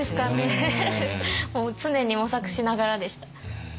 もう常に模索しながらでした。